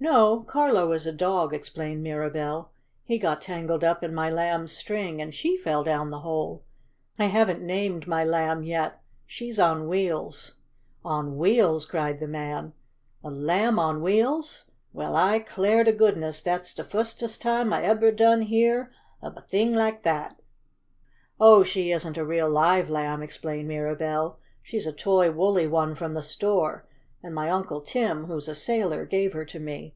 "No, Carlo is a dog," explained Mirabell. "He got tangled up in my Lamb's string, and she fell down the hole. I haven't named my Lamb yet. She's on wheels." "On wheels?" cried the man. "A Lamb on Wheels? Well, I 'clar to goodness dat's de fustest time I ebber done heah ob a t'ing laik dat!" "Oh, she isn't a real, live lamb," explained Mirabell. "She's a toy, woolly one from the store, and my Uncle Tim, who's a sailor, gave her to me."